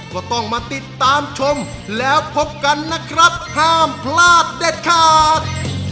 ก็ต้องมาติดตามชมแล้วพบกันนะครับห้ามพลาดเด็ดขาด